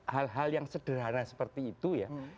hal hal yang sederhana seperti itu ya